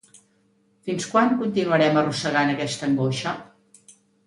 Fins quan continuarem arrossegant aquesta angoixa?